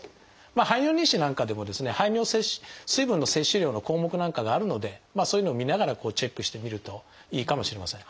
排尿日誌なんかでも水分の摂取量の項目なんかがあるのでそういうのを見ながらチェックしてみるといいかもしれません。